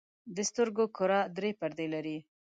د سترګو کره درې پردې لري.